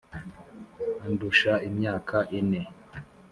andusha imyaka ine.